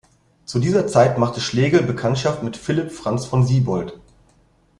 Zu dieser Zeit machte Schlegel Bekanntschaft mit Philipp Franz von Siebold.